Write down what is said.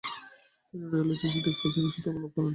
তিনি royal Asiatic সোসাইটির সদস্যপদ লাভ করেন।